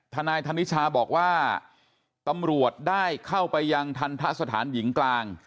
ทนายธนิชาบอกว่าตำรวจได้เข้าไปยังทันทะสถานหญิงกลาง